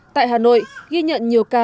tại hà nội ghi nhận nhiều ca